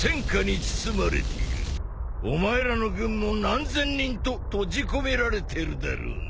お前らの軍も何千人と閉じ込められてるだろうな。